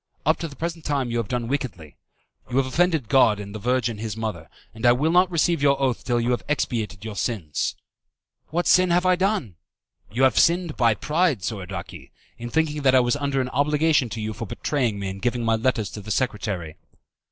Up to the present time you have done wickedly. You have offended God and the Virgin His Mother, and I will not receive your oath till you have expiated your sins." "What sin have I done?" "You have sinned by pride, Soradaci, in thinking that I was under an obligation to you for betraying me and giving my letters to the secretary."